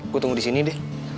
gue tunggu disini deh